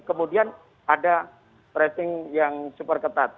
kemudian ada tracing yang super ketat